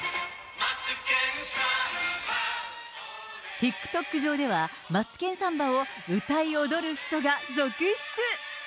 ＴｉｋＴｏｋ上では、マツケンサンバを歌い踊る人が続出。